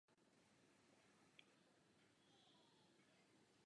Žil na venkově.